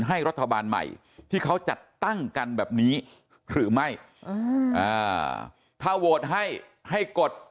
ให้รัฐบาลใหม่ที่เขาจัดตั้งกันแบบนี้หรือไม่ถ้าโหวตให้ให้กด